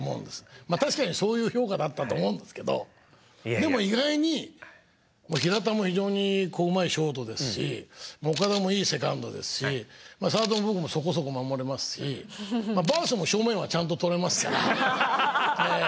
でも意外に平田も非常にうまいショートですし岡田もいいセカンドですしサードも僕もそこそこ守れますしバースも正面はちゃんととれますから。